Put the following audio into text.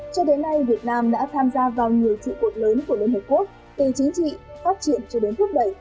cho đến nay việt nam đã tham gia vào nhiều trụ cột lớn của liên hợp quốc từ chính trị phát triển cho đến thúc đẩy